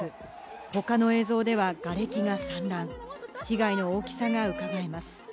他の映像ではがれきが散乱、被害の大きさがうかがえます。